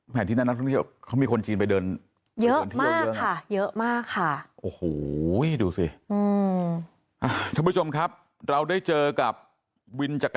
พี่สมคิตนะเป็นวินอยู่แถวจัตรุจักร